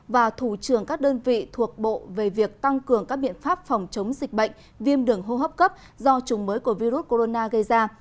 và thủ trưởng các đơn vị thuộc bộ về việc tăng cường các biện pháp phòng chống dịch bệnh viêm đường hô hấp cấp do chủng mới của virus corona gây ra